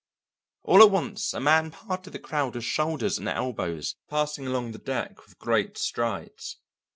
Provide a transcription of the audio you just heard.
All at once a man parted the crowd with shoulders and elbows, passing along the deck with great strides.